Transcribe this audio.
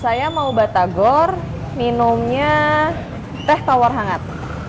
saya mau batagor minumnya teh tawar hangat